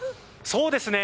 そうですね。